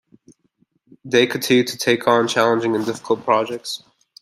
Day continued to take on challenging and difficult projects.